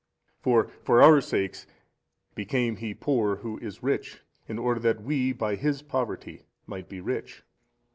For for our sakes became He poor who is Rich in order that WE by His Poverty might be rich.